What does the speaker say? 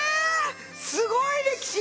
すごい歴史！